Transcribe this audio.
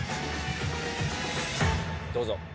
どうぞ。